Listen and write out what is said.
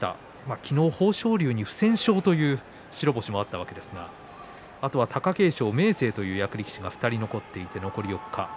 昨日、豊昇龍に不戦勝という白星もあったわけですがあとは貴景勝、明生という役力士が２人残っています。